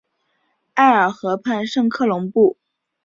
埃尔河畔圣科隆布。